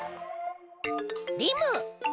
リム。